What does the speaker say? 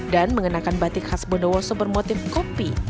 dan mengenakan batik khas bondowoso bermotif kopi